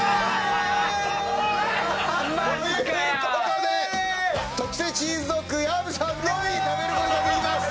おい！ということで特製チーズドッグ薮さんのみ食べることができます。